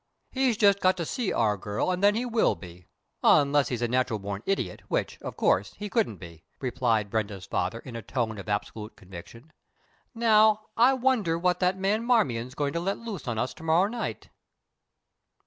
"He's just got to see our girl and then he will be, unless he's a natural born idiot, which, of course, he couldn't be," replied Brenda's father in a tone of absolute conviction. "Now, I wonder what that man Marmion's going to let loose on us to morrow night?"